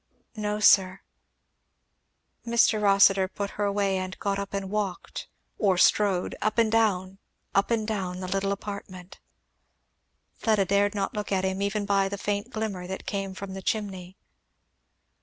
"No sir " Mr. Rossitur put her away and got up and walked, or strode, up and down, up and down, the little apartment. Fleda dared not look at him, even by the faint glimmer that came from the chimney.